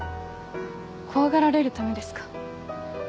怖がられるためですか？